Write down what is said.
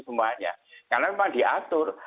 semuanya karena memang diatur